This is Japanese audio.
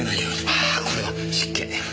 ああこれは失敬。